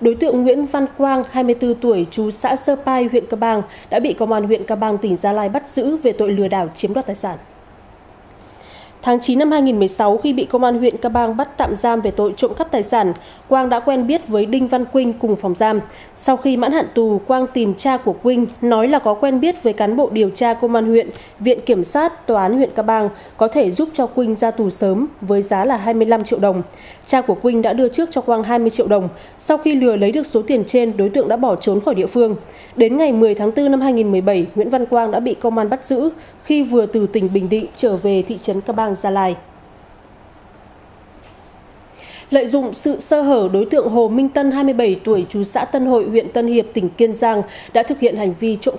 lợi dụng sự sơ hở đối tượng hồ minh tân hai mươi bảy tuổi chú xã tân hội huyện tân hiệp tỉnh kiên giang đã thực hiện hành vi trộm cắp tài sản đối tượng đã nhanh chóng bị công an bắt giữ